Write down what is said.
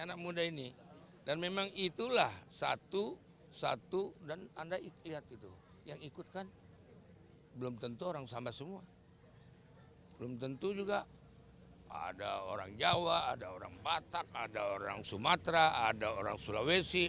ada orang jawa ada orang batak ada orang sumatera ada orang sulawesi